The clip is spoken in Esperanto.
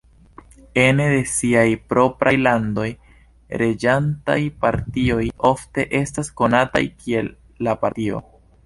Ene de siaj propraj landoj, regantaj partioj ofte estas konataj kiel "la Partio".